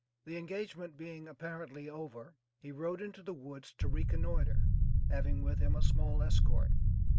The engagement being apparently over he rode into the woods to reconnoiter, having with him a small escort.